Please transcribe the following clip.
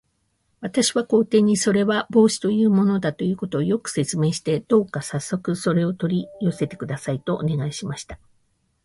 私は皇帝に、それは帽子というものだということを、よく説明して、どうかさっそくそれを取り寄せてください、とお願いしました。